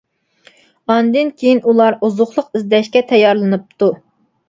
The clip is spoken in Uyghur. ئاندىن كېيىن ئۇلار ئوزۇقلۇق ئىزدەشكە تەييارلىنىپتۇ.